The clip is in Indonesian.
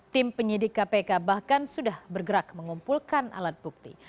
tim penyidik kpk bahkan sudah bergerak mengumpulkan alat bukti